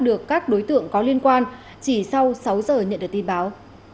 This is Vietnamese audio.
được các đối tượng có liên quan chỉ sau sáu giờ nhận được tin báo